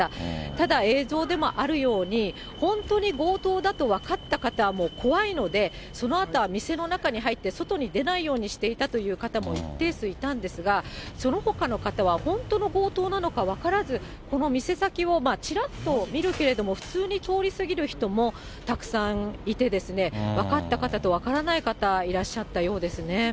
ただ、映像でもあるように、本当に強盗だと分かった方はもう怖いので、そのあとは店の中に入って外に出ないようにしていたという方も一定数いたんですが、そのほかの方は本当の強盗なのか分からず、この店先をちらっと見るけれども、普通に通り過ぎる人もたくさんいて、分かった方と分からなかった方、いらっしゃったようですね。